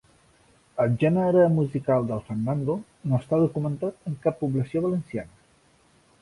El gènere musical del fandango no està documentat en cap població valenciana.